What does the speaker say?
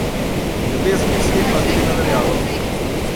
Ljubezen je slepa, a vidi na daljavo.